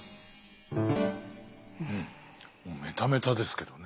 もうメタメタですけどね。